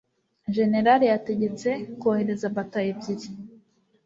jenerali yategetse kohereza batayo ebyiri